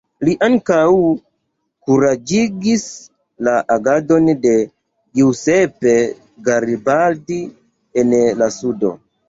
Li ankaŭ kuraĝigis la agadon de Giuseppe Garibaldi en la sudo.